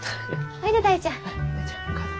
おいで大ちゃん。